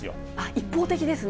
一方的ですね。